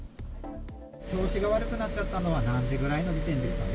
調子が悪くなっちゃったのは何時ぐらいの時点ですかね？